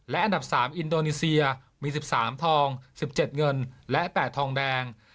และอันดับ๓อินโดนีเซียมี๑๓ทอง๑๗เงินและ๘ทองแดง